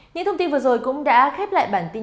những thông tin vừa rồi cũng đã khép lại bản tin